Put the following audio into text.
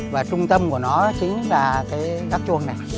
và trung tâm của nó chính là cái gác chuông này